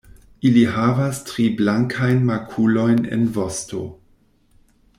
Ili havas tri blankajn makulojn en vosto.